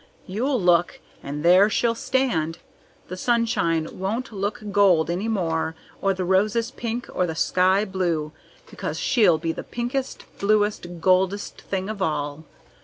You'll look, and there she'll stand. The sunshine won't look gold any more, or the roses pink, or the sky blue, because she'll be the pinkest, bluest, goldest thing of all.